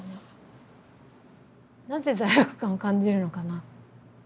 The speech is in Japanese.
なぜ罪悪感を感じるのかな。